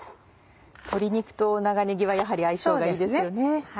鶏肉と長ねぎはやはり相性がいいですよね。